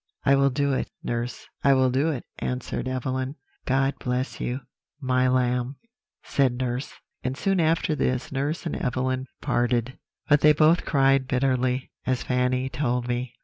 "'I will do it, nurse; I will do it,' answered Evelyn. "'God bless you, my lamb!' said nurse. "And soon after this nurse and Evelyn parted; but they both cried bitterly, as Fanny told me.